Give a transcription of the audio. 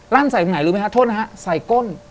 ใส่ตรงไหนรู้ไหมฮะโทษนะฮะใส่ก้น